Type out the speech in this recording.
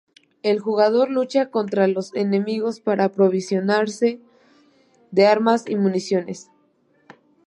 El jugador lucha contra los enemigos para aprovisionarse de armas y municiones.